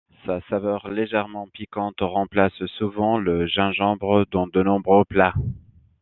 Sa saveur légèrement piquante remplace souvent le gingembre dans de nombreux plats.